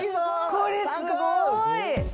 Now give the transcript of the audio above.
これ、すごーい。